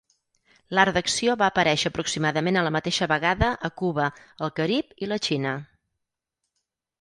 L'art d'acció va aparèixer aproximadament a la mateixa vegada a Cuba, el Carib i la Xina.